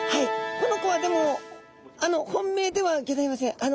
この子はでも本命ではギョざいません。